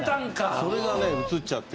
それがね映っちゃって。